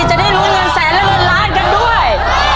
จะได้ลุ้นเงินแสนและเงินล้านกันด้วย